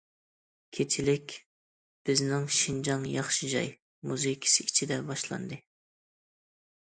كېچىلىك« بىزنىڭ شىنجاڭ ياخشى جاي» مۇزىكىسى ئىچىدە باشلاندى.